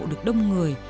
được đông người